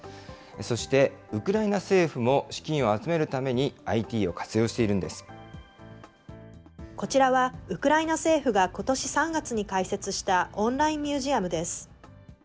そして、ウクライナ政府も資金を集めるために、ＩＴを活用していこちらはウクライナ政府がことし３月に開設したオンラインミュージアムです。